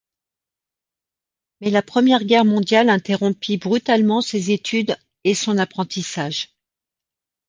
Mais la Première Guerre mondiale interrompit brutalement ses études et son apprentissage.